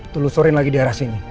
terlalu sering lagi di arah sini